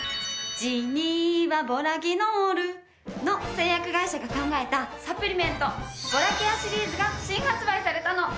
「痔にはボラギノール」の製薬会社が考えたサプリメントボラケアシリーズが新発売されたの。